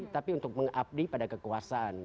tapi untuk mengabdi pada kekuasaan